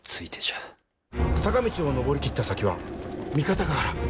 坂道を上り切った先は三方ヶ原。